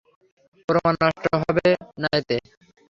প্রমাণ নষ্ট হবে না এতে?